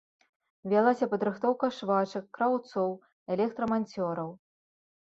Вялася падрыхтоўка швачак, краўцоў, электраманцёраў.